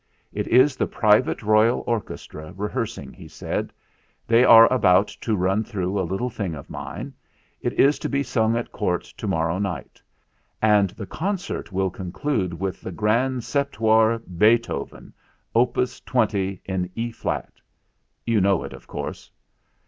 "It is the private royal orchestra rehears ing," he said. "They are about to run through a little thing of mine. It is to be sung at Court to morrow night; and the con cert will conclude with the Grand Septuor Beethoven, Op. 20 in E flat. You know it, of course?"